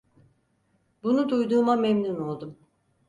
Bunu duyduğuma memnun oldum.